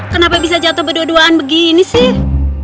kenapa bisa jatuh berdua duaan begini sih